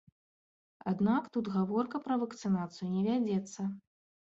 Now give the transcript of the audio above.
Аднак, тут гаворка пра вакцынацыю не вядзецца.